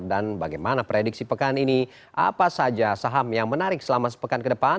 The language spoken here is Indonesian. dan bagaimana prediksi pekan ini apa saja saham yang menarik selama sepekan ke depan